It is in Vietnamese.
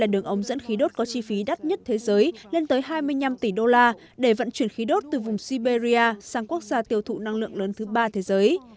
đường ống dẫn khí đốt có chi phí đắt nhất thế giới lên tới hai mươi năm tỷ đô la để vận chuyển khí đốt từ vùng siberia sang quốc gia tiêu thụ năng lượng lớn thứ ba thế giới